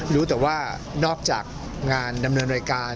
รู้แต่ว่านอกจากงานดำเนินรายการ